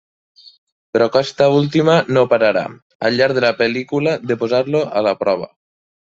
Però aquesta última no pararà, al llarg de la pel·lícula, de posar-lo a la prova.